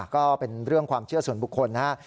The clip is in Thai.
ก็เป็นเรื่องความเชื่อส่วนบุคคลนะครับ